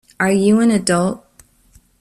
Are you an adult?